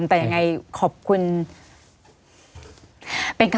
ไม่มีครับไม่มีครับ